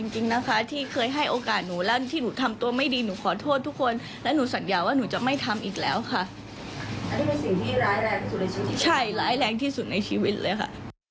ใช่ร้ายแรงที่สุดในชีวิตเลยค่ะ